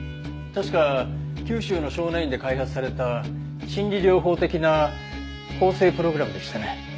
確か九州の少年院で開発された心理療法的な更生プログラムでしたね。